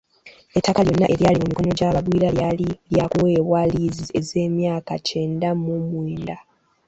Ettaka lyonna eryali mu mikono gy’abagwira lyali lyakuweebwa liizi ez’emyaka kyenda mu mwenda.